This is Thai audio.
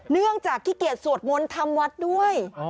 เนื่องจากขี้เกียจสวดมนต์ทำวัดด้วย